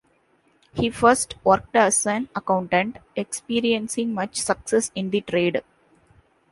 He first worked as an accountant, experiencing much success in the trade.